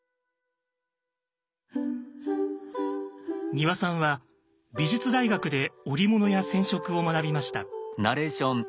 丹羽さんは美術大学で織物や染色を学びました。